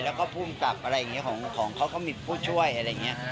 แล้วก็ภูมิกับอะไรอย่างนี้ของเขาก็มีผู้ช่วยอะไรอย่างนี้